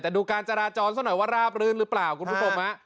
แต่ดูการจราจรซะหน่อยว่าราบรื่นหรือเปล่าคุณผู้ชมฮะ